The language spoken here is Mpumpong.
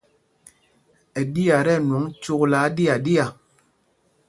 Ɛ ɗiá tí ɛnwɔŋ cúklá áɗiaɗiá.